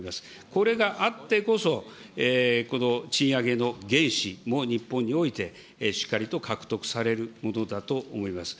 これがあってこそ、賃上げの原資も日本において、しっかりと獲得されるものだと思います。